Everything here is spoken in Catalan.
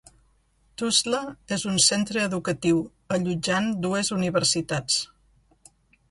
Tuzla és un centre educatiu, allotjant dues universitats.